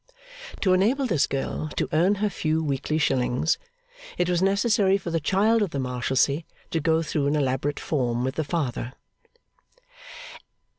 To enable this girl to earn her few weekly shillings, it was necessary for the Child of the Marshalsea to go through an elaborate form with the Father.